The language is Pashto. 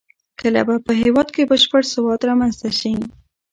کله به په هېواد کې بشپړ سواد رامنځته شي؟